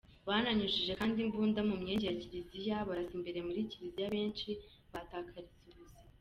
Bananyujije kandi imbunda mu myenge ya Kiliziya barasa imbere muri Kiliziya benshi bahatakariza ubuzima.